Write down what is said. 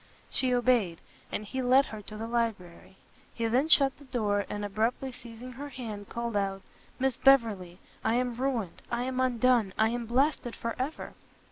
She obeyed, and he led her to the library. He then shut the door, and abruptly seizing her hand, called out, "Miss Beverley, I am ruined! I am undone! I am blasted for ever!"